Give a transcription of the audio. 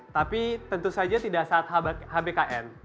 tapi tentu saja tidak saat hbkn